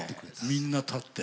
みんな立って。